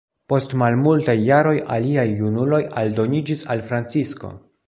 Post malmultaj jaroj, aliaj junuloj aldoniĝis al Francisko.